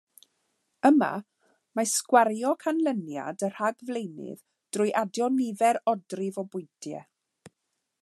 Yma, mae sgwario canlyniad y rhagflaenydd drwy adio nifer odrif o bwyntiau.